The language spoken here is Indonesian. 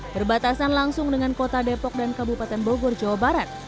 berbatasan langsung dengan kota depok dan kabupaten bogor jawa barat